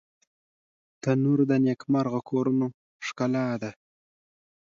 تنور د نیکمرغه کورونو ښکلا ده